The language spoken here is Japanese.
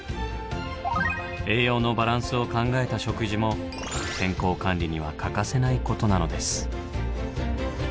栄養のバランスを考えた食事も健康管理には欠かせないことなのです。